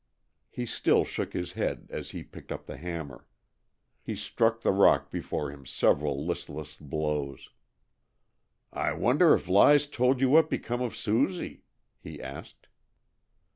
He still shook his head as he picked up the hammer. He struck the rock before him several listless blows. "I wonder if Lize told you what become of Susie?" he asked.